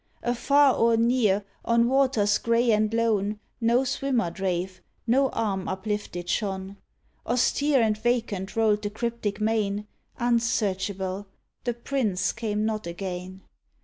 Afar or near, on waters grey and lone, No swimmer drave, no arm uplifted shone; Austere and vacant rolled the cryptic main, Unsearchable: the prince came not again.